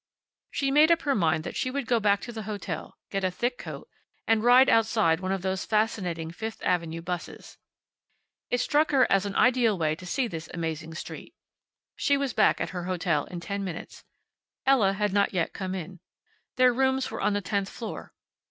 She made up her mind that she would go back to the hotel, get a thick coat, and ride outside one of those fascinating Fifth avenue 'buses. It struck her as an ideal way to see this amazing street. She was back at her hotel in ten minutes. Ella had not yet come in. Their rooms were on the tenth floor.